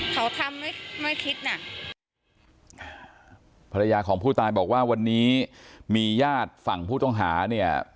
เขาทำไม่ไม่คิดน่ะภรรยาของผู้ตายบอกว่าวันนี้มีญาติฝั่งผู้ต้องหาเนี่ย